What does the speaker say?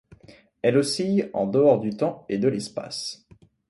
Elle oscille en dehors du temps et de l’espace ;